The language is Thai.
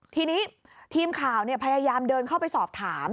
ทีนี้ทีมข่าวพยายามเดินเข้าไปสอบถาม